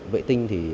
vệ tinh thì